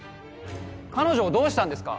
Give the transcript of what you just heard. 彼女をどうしたんですか？